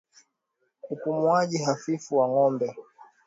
Upumuaji hafifu wa ngombe